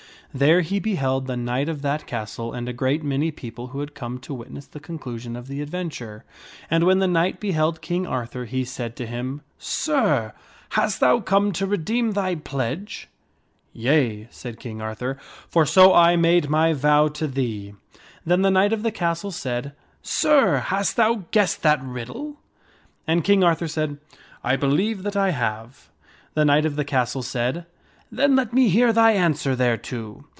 There he beheld the knight of that castle and a great many people who had come to witness the conclu sion of the adventure. And when the knight beheld King Arthur he said to him, "Sir, hast thou come to redeem thy rehtrnetk t* tkt pledge ?"" Yea," said King Arthur, " for so I made my vow to thee." Then the knight of the castle said, " Sir, hast thou guessed that riddle ?" And King Arthur said, " I believe that I have." The knight of the castle said, "Then let me hear thy answer thereto.